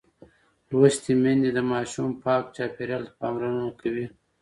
لوستې میندې د ماشوم پاک چاپېریال ته پاملرنه کوي.